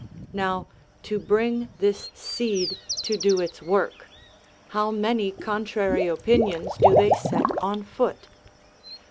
Now, to bring this seed to do its work, how many contrary opinions do they set on foot?